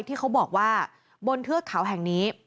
ที่เขาบอกว่าบนเทือกเขาแห่งนี้